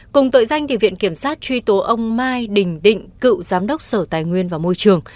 cùng tội danh viện kiểm sát truy tố ông mai đình định cựu giám đốc sở tài nguyên và môi trường